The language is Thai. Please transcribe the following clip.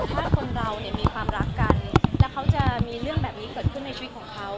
ถ้าคนเราเนี่ยมีความรักกันแล้วเขาจะมีเรื่องแบบนี้เกิดขึ้นในชีวิตของเขา